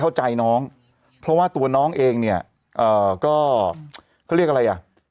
เข้าใจน้องเพราะว่าตัวน้องเองเนี่ยก็เขาเรียกอะไรอ่ะ